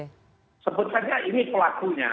sebut saja ini pelakunya